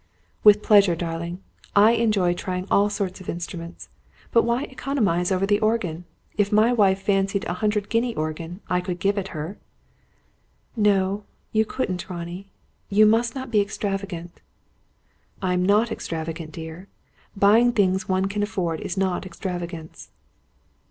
"With pleasure, darling. I enjoy trying all sorts of instruments. But why economise over the organ? If my wife fancied a hundred guinea organ, I could give it her." "No, you couldn't, Ronnie. You must not be extravagant." "I am not extravagant, dear. Buying things one can afford is not extravagance."